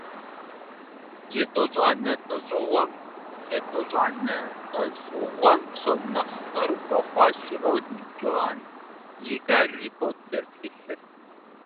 Етӏощӏанэ лӏэщӏыгъуэм псом нэхъ цӏэрыӏуэ хъуащ Ролинг Джоан и «Гарри Поттер» тхылъыр.